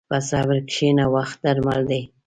په صبر کښېنه، وخت درمل دی.